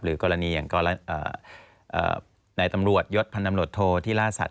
หรือกรณีอย่างกรณีในตำรวจยศพันธ์ตำรวจโทที่ล่าสัตว์